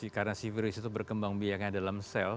karena si virus itu berkembang biaknya dalam sel